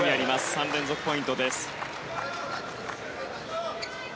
３連続ポイントです。